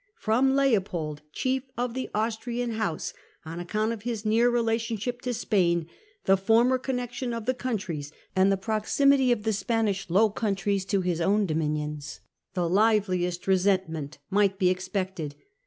From Leopold, chief Rhine he ^ ie Austrian House, on account of his near Princes. relationship to Spain, the former connection of the countries, and the proximity of the Spanish Low Countries to his own dominions, the liveliest resentment might be expected.